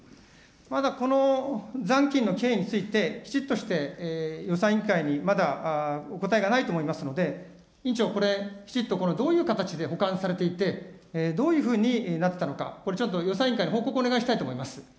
まだこの残金の経緯について、きちっとして予算委員会にまだお答えがないと思いますので、委員長、これきちっと、これ、どういう形で保管されていて、どういうふうになっていたのか、これ、ちゃんと予算委員会、報告をお願いしたいと思います。